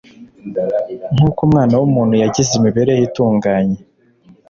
Nkuko Umwana w'umuntu yagize imibereho itunganye,